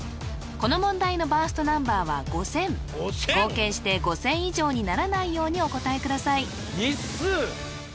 この問題のバーストナンバーは５０００合計して５０００以上にならないようにお答えください・日数！？